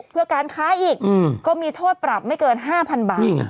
เพื่อการค้าอีกก็มีโทษปรับไม่เกิน๕๐๐๐บาท